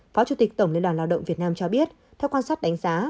phó chủ tịch tổng liên đoàn lao động việt nam cho biết theo quan sát đánh giá